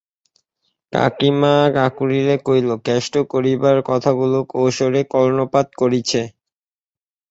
কাকীমা কাকলীরে কইল, কেষ্ট-করবীর কথাগুলো কৌশলে কর্ণপাত করেছি।